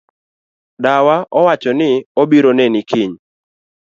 Dawa owacho ni obiro neni kiny.